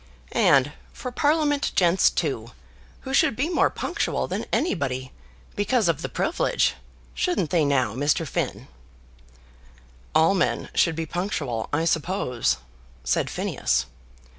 And for Parliament gents, too, who should be more punctual than anybody, because of the privilege. Shouldn't they now, Mr. Finn?" "All men should be punctual, I suppose," said Phineas.